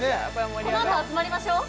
このあと集まりましょう